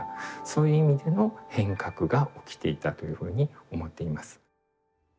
そういう意味での変革が起きていたというふうに思っています。